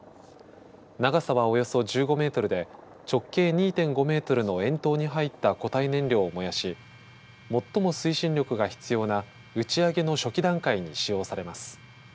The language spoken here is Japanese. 長さは、およそ１５メートルで直径２．５メートルの円筒に入った固体燃料を燃やし最も推進力が必要な打ち上げの初期段階に使用されます。